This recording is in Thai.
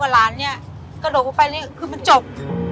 แล้วหลานเนี่ยกระโดดเข้าไปเลยคือมันจบ